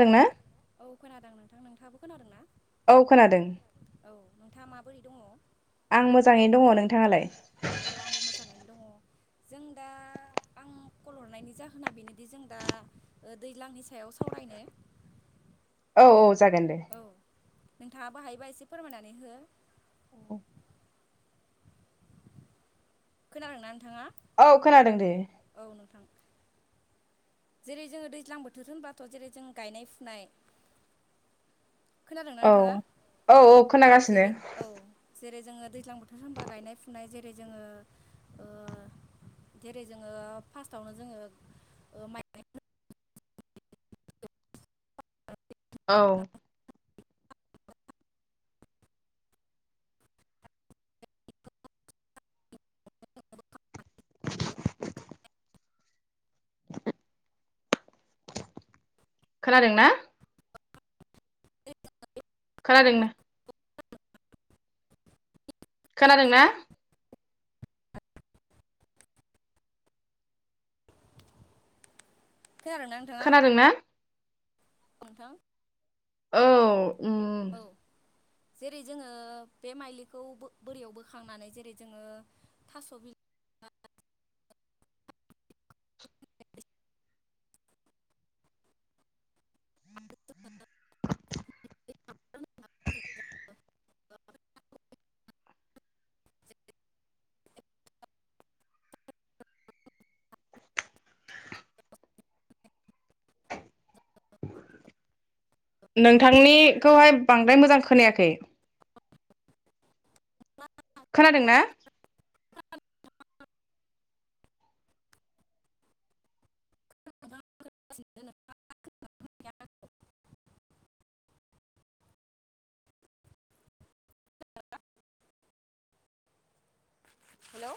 ओंना औ खोनादों नोंथां नोंथाङाबो खोनादों ना? औ खोनादों। औ नोंथाङा माबोरै दङ? आं मोजाङैनो दङ नोंथाङालाय? औ आंबो मोजाङैनो दङ जों दा आं खल हरनायनि जाहोना बेनोदि जों दा दैज्लांनि सायाव सावरायनो औ औ जागोन दे औ नोंथाङाबो हायोबा एसे फोरमायनानै हो औ खोनादोंना नों औ खोनादों दे नोंथां जेरै जोङो दैज्लां बोथोर होनबाथ जेरै जों गायनाय फुनाय खोनादोंना औ नोंथाङा औ जेरै औ जेरै जों दैज्लां बोथोर होनबा गायनाय फुनाय जोङो ओ जेरै जोङो जेरै जोङो फार्स्टावनो जोङो माइ औ [inaudible] [inaudible] खोनादों ना खोनादों दे खोनादोंना खोनादोंना नोंथाङा खोनादोंना औ नोंथां औ उम औ जेरै जोङो बे माइलिखौ बोरियाव बोखांनानै जेरै जोङो थास' बिल [inaudible] नोंथांनिखौहाय बांद्राय मोजां खोनायाखै खोनादों ना [inaudible] हेलौ